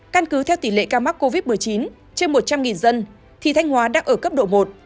căn cứ theo tỷ lệ ca mắc covid một mươi chín trên một trăm linh dân thì thanh hóa đang ở cấp độ một